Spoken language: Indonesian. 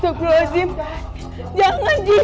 jangan jin jangan diambil